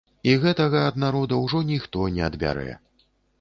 І гэтага ад народа ўжо ніхто не адбярэ.